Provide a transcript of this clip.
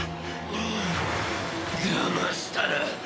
だましたな！